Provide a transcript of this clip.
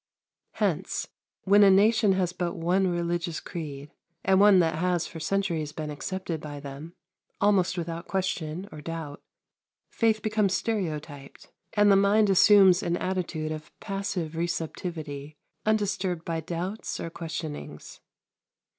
Hence, when a nation has but one religious creed, and one that has for centuries been accepted by them, almost without question or doubt, faith becomes stereotyped, and the mind assumes an attitude of passive receptivity, undisturbed by doubts or questionings.